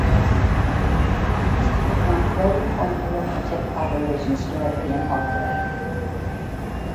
It was used to perform floating point arithmetic operations directly in hardware.